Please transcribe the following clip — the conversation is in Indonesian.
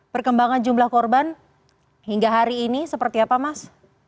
perkembangan jumlah korban hingga hari ini seperti apa mas